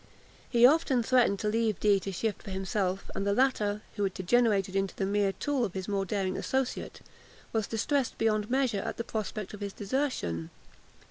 He often threatened to leave Dee to shift for himself; and the latter, who had degenerated into the mere tool of his more daring associate, was distressed beyond measure at the prospect of his desertion.